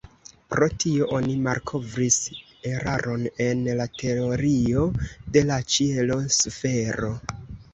Pro tio oni malkovris eraron en la teorio de la ĉielo-sfero.